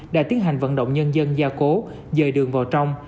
đã tiến hành vận động nhân dân gia cố dời đường vào trong